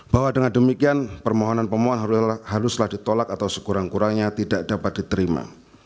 bahwa dengan demikian permohonan pemohon haruslah ditolak atau sekurang kurangnya tidak dapat diterima